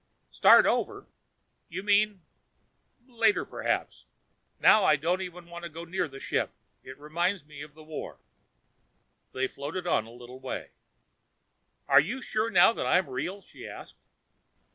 "Start over? You mean.... Later perhaps. Now I don't even want to go near the ship. It reminds me of the war." They floated on a little way. "Are you sure now that I'm real?" she asked.